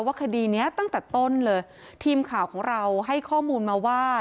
คดีนี้ตั้งแต่ต้นเลยทีมข่าวของเราให้ข้อมูลมาว่า